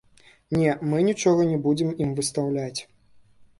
Не, мы нічога не будзем ім выстаўляць.